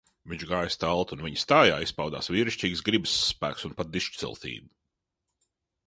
Viņš gāja stalti un viņa stājā izpaudās vīrišķīgs gribas spēks un pat dižciltība.